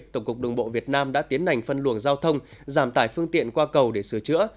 tổng cục đường bộ việt nam đã tiến hành phân luồng giao thông giảm tải phương tiện qua cầu để sửa chữa